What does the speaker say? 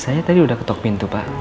saya tadi sudah ketok pintu pak